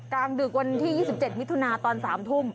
กลางดึกวันที่๒๗มิถุนาตอน๓ทุ่ม